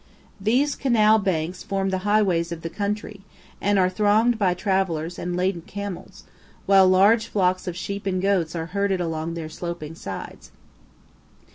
These canal banks form the highways of the country, and are thronged by travellers and laden camels, while large flocks of sheep and goats are herded along their sloping sides.